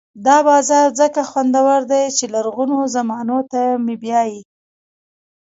دا بازار ځکه خوندور دی چې لرغونو زمانو ته مې بیايي.